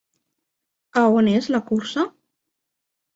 A on és la cursa?